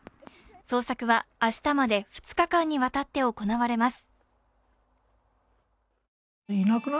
捜索は明日まで２日間にわたって行われます。